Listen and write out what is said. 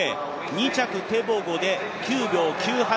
２着テボゴで９秒９８。